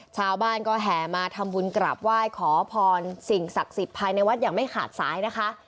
ชาวบ้านก็แห่มาทำบุญกราบไหว้ขอพรสิ่งศักดิ์สิทธิ์ภายในวัดอย่างไม่ขาดสายนะคะ